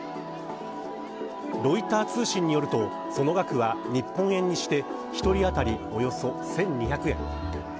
ロイター通信によると、その額は日本円にして１人当たりおよそ１２００円。